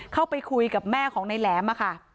เข้าไปคุยกับแม่ของนายแหลมค่ะ